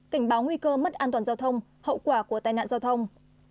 cảnh báo nguy cơ mất an toàn giao thông hậu quả của tai nạn giao thông